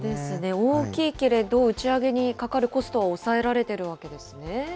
大きいけれど打ち上げにかかるコストは抑えられているわけですね。